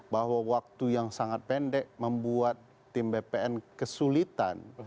bahwa waktu yang sangat pendek membuat tim bpn kesulitan